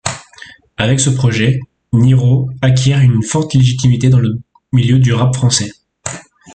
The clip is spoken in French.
Avec ce projet, Niro acquiert une forte légitimité dans le milieu du rap français.